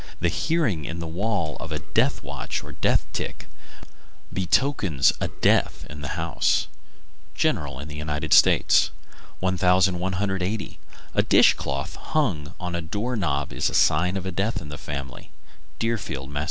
The hearing, in the wall, of the "death watch," or "death tick," betokens a death in the house. General in the United States. 1180. A dish cloth hung on a door knob is a sign of death in a family. _Deerfield, Mass.